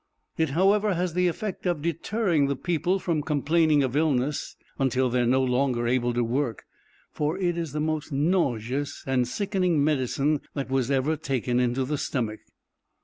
It, however, has the effect of deterring the people from complaining of illness, until they are no longer able to work; for it is the most nauseous and sickening medicine that was ever taken into the stomach.